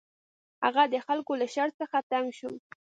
هغه د خلکو له شر څخه تنګ شو.